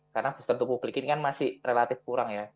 karena booster untuk publik ini kan masih relatif kurang ya